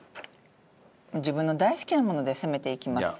自分の大好きなもので攻めていきます。